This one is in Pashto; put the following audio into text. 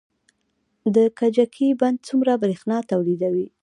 د کجکي بند څومره بریښنا تولیدوي؟